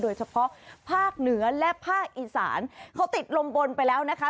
โดยเฉพาะภาคเหนือและภาคอีสานเขาติดลมบนไปแล้วนะคะ